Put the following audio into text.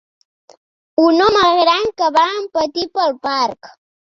Un home gran que va en patí pel parc.